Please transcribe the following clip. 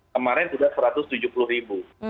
kemarin sudah satu ratus tujuh puluh ribu